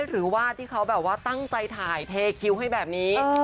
หรือว่าที่เขาแบบว่าตั้งใจถ่ายเทคิวให้แบบนี้